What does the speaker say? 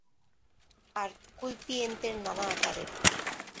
আর কুলপি এন্তের নানা আকারের।